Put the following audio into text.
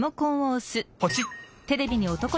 ポチッ！